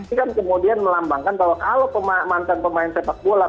ini kan kemudian melambangkan bahwa kalau mantan pemain sepak bola